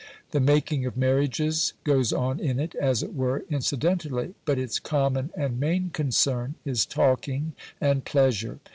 The making of marriages goes on in it, as it were, incidentally, but its common and main concern is talking and pleasure.